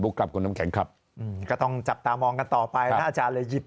ครับคุณน้ำแข็งครับก็ต้องจับตามองกันต่อไปนะอาจารย์เลยหยิบ